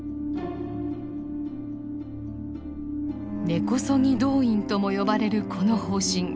根こそぎ動員とも呼ばれるこの方針。